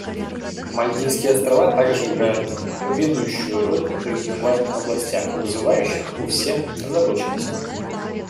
Мальдивские Острова также играют ведущую роль в других важных областях, вызывающих у всех озабоченность.